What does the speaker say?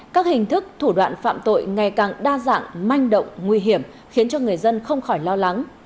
các hình thức thủ đoạn phạm tội ngày càng đa dạng manh động nguy hiểm khiến cho người dân không khỏi lo lắng